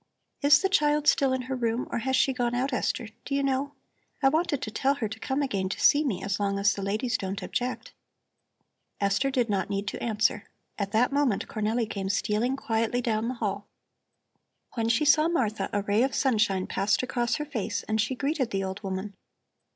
"Is the child still in her room or has she gone out, Esther, do you know? I wanted to tell her to come again to see me, as long as the ladies don't object." Esther did not need to answer. At that moment Cornelli came stealing quietly down the hall. When she saw Martha a ray of sunshine passed across her face and she greeted the old woman.